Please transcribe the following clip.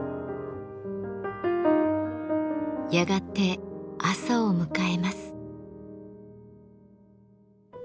やがて朝を迎えます。